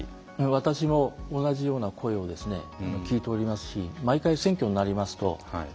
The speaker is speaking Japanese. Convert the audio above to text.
私も同じような声を聞いておりますし毎回選挙になりますと例えばうちの母親は